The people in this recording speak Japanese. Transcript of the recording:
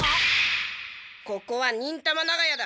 ここは忍たま長屋だ。